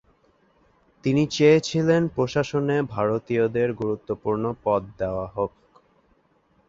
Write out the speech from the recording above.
তিনি চেয়েছিলেন প্রশাসনে ভারতীয়দের গুরুত্বপূর্ণ পদ দেওয়া হোক।